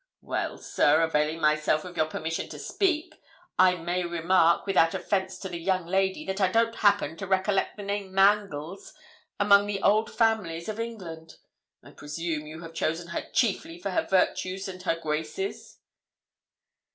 'Well, sir, availing myself of your permission to speak, I may remark, without offence to the young lady, that I don't happen to recollect the name Mangles among the old families of England. I presume you have chosen her chiefly for her virtues and her graces.'